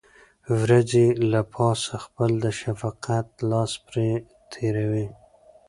وريځې له پاسه خپل د شفقت لاس پرې تېروي.